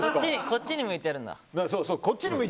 こっちに向いてるんだ。